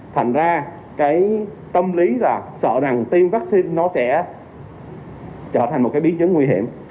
tâm lý sợ famous vrahhign sinh nó sẽ trở thành một cái biến chứng nguy hiểm